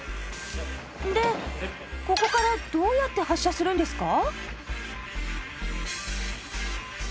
でここからどうやって発射するんですか？